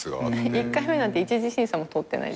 １回目なんて１次審査も通ってない。